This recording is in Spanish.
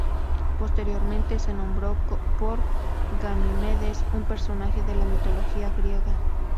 Posteriormente se nombró por Ganimedes, un personaje de la mitología griega.